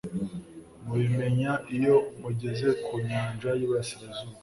mubimenya iyo mugeze ku nyanja y'iburasirazuba